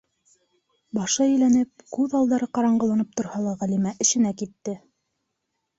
Башы әйләнеп, күҙ алдары ҡараңғыланып торһа ла Ғәлимә эшенә китте.